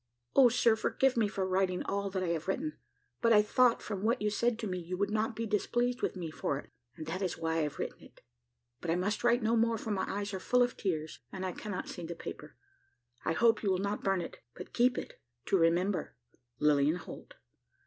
"O sir! forgive me for writing all that I have written; but I thought from what you said to me you would not be displeased with me for it, and that is why I have written it. But I must write no more, for my eyes are full of tears, and I cannot see the paper. I hope you will not burn it, but keep it, to remember "Lilian Holt."